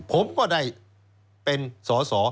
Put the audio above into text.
ผมก็ได้เป็นสอสอ